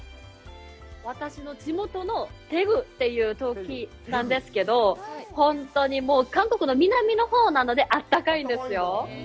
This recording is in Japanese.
私の地元のテグというところなんですけど、本当にもう韓国の南のほうなので、あったかいんですよ。